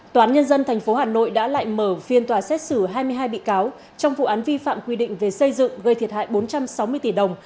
tòa án nhân dân tp hà nội đã lại mở phiên tòa xét xử hai mươi hai bị cáo trong vụ án vi phạm quy định về xây dựng gây thiệt hại bốn trăm sáu mươi tỷ đồng